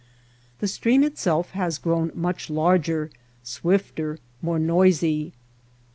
The stream itself has grown much larger, swifter, more noisy.